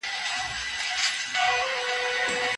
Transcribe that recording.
ټولنپوهان د ټولنیزو بدلونونو په اړه معلومات چمتو کوي.